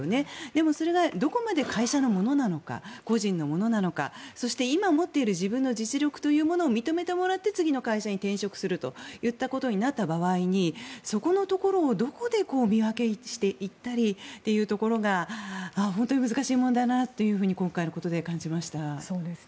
でも、それがどこまで会社のものなのか個人のものなのかそして今持っている自分の実力というものを認めてもらって、次の会社に転職するとなった場合にそこのところを、どこで見分けていったりというところが本当に難しい問題だなと今回のことで感じました。